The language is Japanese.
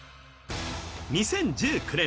２０１９年